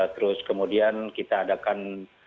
terus kemudian kita adakan